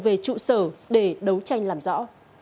về trụ sở để đấu tranh làm rõ